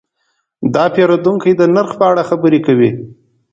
دا پیرودونکی د نرخ په اړه خبرې وکړې.